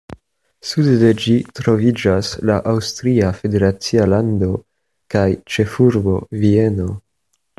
Sude de ĝi troviĝas la Aŭstria federacia lando kaj ĉefurbo Vieno.